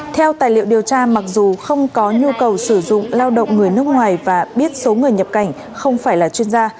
theo tài liệu điều tra mặc dù không có nhu cầu sử dụng lao động người nước ngoài và biết số người nhập cảnh không phải là chuyên gia